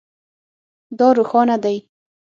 دا روښانه دی